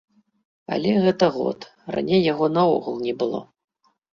Але гэта год, раней яго наогул не было.